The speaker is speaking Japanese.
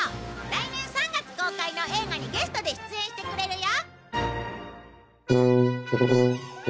来年３月公開の映画にゲストで出演してくれるよ！